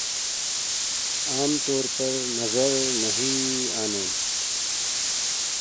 عام طور پر نظر نہیں آتے